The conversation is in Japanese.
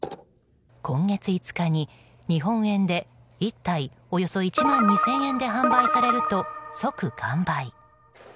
今月５日に日本円で１体およそ１万２０００円で販売されると、即完売。